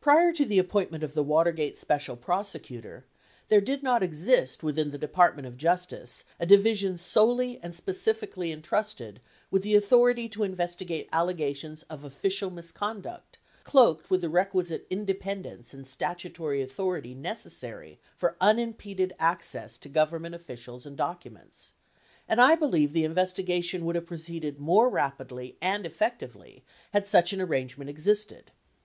Prior to the appointment of the Watergate Special Prosecutor, there did not exist within the Department of Justice a divi sion solely and specifically entrusted with the authority to investigate allegations of official misconduct, cloaked with the requisite inde pendence and statutory authority necessary for unimpeded access to Government officials and documents, and I believe the investigation would have proceeded more rapidly and effectively had such an arrangement existed.